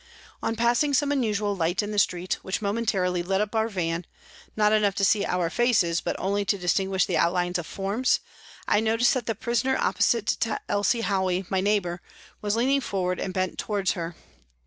On passing some unusual light in the street, which momentarily lit up our van, not enough to see our faces but only to distinguish the outlines of forms, I noticed that the prisoner opposite to Elsie Howey, my neighbour, was leaning forward and bent towards her.